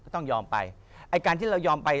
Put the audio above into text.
ต้องยอมไปไอ้การที่เรายอมไป